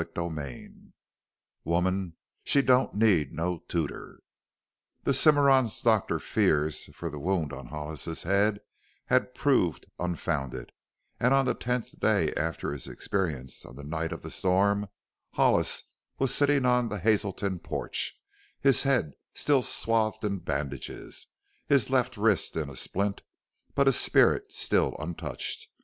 CHAPTER XIII "WOMAN SHE DON'T NEED NO TOOTER" The Cimarron doctor's fears for the wound on Hollis's head had proved unfounded and on the tenth day after his experience on the night of the storm, Hollis was sitting on the Hazelton porch, his head still swathed in bandages, his left wrist in a splint, but his spirit still untouched.